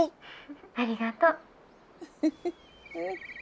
☎ありがとう。